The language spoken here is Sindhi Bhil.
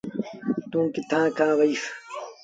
توٚݩ ڪٿآݩ کآݩ وهيٚس۔